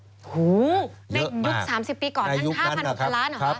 โอ้โฮในยุค๓๐ปีก่อน๕๐๐๐๖๐๐๐ล้านบาทเหรอคะ